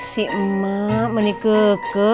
si emah menikuku